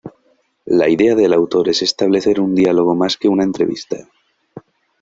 La idea del autor es establecer un diálogo más que una entrevista.